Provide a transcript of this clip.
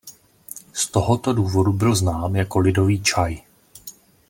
Z tohoto důvodu byl znám jako „lidový čaj“.